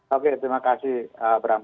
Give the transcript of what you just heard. oke terima kasih abram